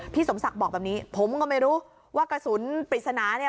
สมศักดิ์บอกแบบนี้ผมก็ไม่รู้ว่ากระสุนปริศนาเนี่ย